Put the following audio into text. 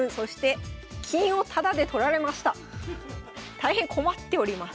大変困っております。